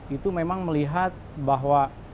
itu memang melihat bahwa